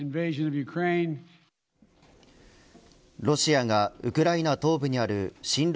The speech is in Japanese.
ロシアがウクライナ東部にある親